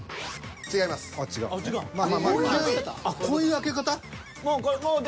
こういう開け方？